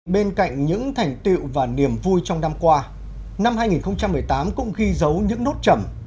bên cạnh những thành tiệu và niềm vui trong năm qua năm hai nghìn một mươi tám cũng ghi dấu những nốt trầm